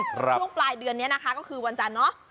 ช่วงปลายเดือนนี้นะคะก็คือวันจันทร์เนอะ